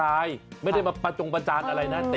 วิทยาลัยศาสตร์อัศวิทยาลัยศาสตร์